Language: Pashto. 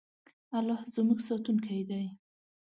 الله زموږ ساتونکی دی.